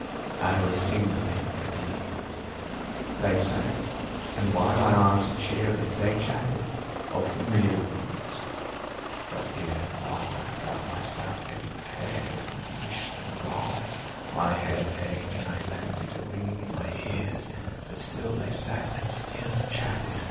I was singularly at ease. They sat, and while I answered cheerily, they chatted of familiar things. But, ere long, I felt myself getting pale and wished them gone. My head ached, and I fancied a ringing in my ears: but still they sat and still chatted.